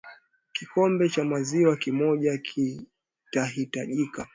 kikombe cha maziwa kimoja kitahitajika